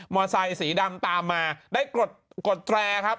ไซสีดำตามมาได้กดแตรครับ